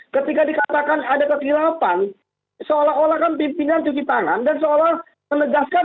ketika dikatakan ada kekilapan seolah olah kan pimpinan cuci tangan dan seolah menegaskan